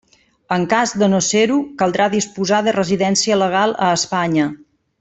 En cas de no ser-ho, caldrà disposar de residència legal a Espanya.